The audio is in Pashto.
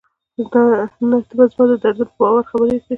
ته به زما د دردونو په خبرو باور کوې.